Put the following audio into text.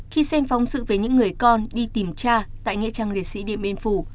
khi xem phóng sự về những người con đi tìm cha tại nghệ trang liệt sĩ điện biên phủ